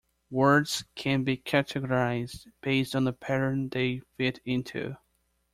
Words can be categorized based on the pattern they fit into.